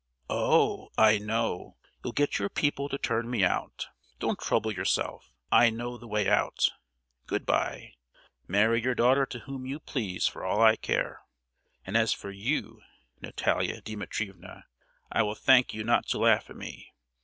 "Oh, I know—you'll get your people to turn me out! Don't trouble yourself—I know the way out! Good bye,—marry your daughter to whom you please, for all I care. And as for you, Natalia Dimitrievna, I will thank you not to laugh at me!